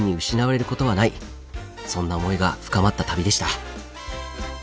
そんな思いが深まった旅でした。